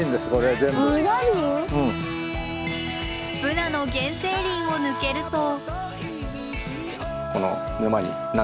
ブナの原生林を抜けると。